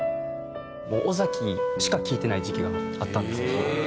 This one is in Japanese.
尾崎しか聴いてない時期があったんですけど。